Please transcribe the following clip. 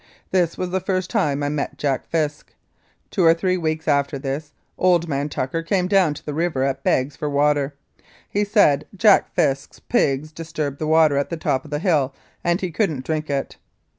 This was the first time I met Jack Fisk. Two or three weeks after this old man Tucker came down to the river at Begg's for water. He said Jack Fisk's pigs disturbed the water at the top of the hill and he couldn't drink it.